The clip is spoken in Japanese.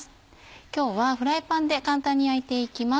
今日はフライパンで簡単に焼いていきます。